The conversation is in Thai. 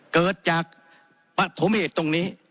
เกิดจากประโถเมตตรงนี้